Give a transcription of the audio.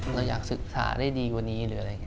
เราอยากศึกษาได้ดีกว่านี้